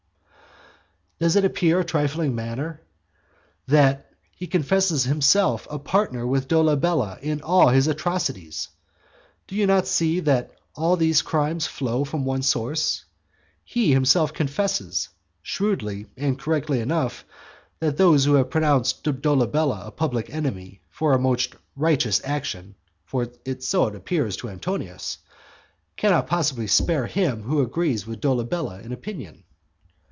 Does it appear a trifling matter, that he confesses himself a partner with Dolabella in all his atrocities? Do you not see that all these crimes flow from one source? He himself confesses, shrewdly and correctly enough, that those who have pronounced Dolabella a public enemy for a most righteous action (for so it appears to Antonius), cannot possibly spare him who agrees with Dolabella in opinion.